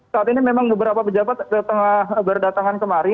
saat ini memang beberapa pejabat tengah berdatangan kemari